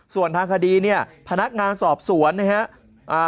ส่วนทางคดีเนี่ยพนักงานสอบสวนนะครับ